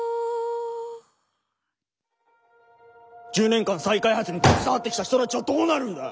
１０年間再開発に携わってきた人たちはどうなるんだ！